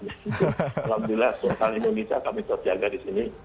alhamdulillah sultan indonesia kami tetap jaga di sini